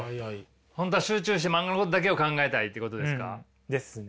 本当は集中して漫画のことだけを考えたいってことですか。ですね。